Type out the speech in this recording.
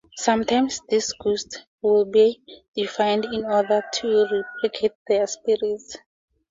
Sometimes these ghosts would be deified in order to placate their spirits.